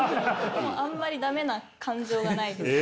あんまりダメな感情がないです。